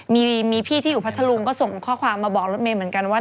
มีพี่ที่อยู่พัทธรุงก็ส่งข้อความมาบอกรถเมย์เหมือนกันว่า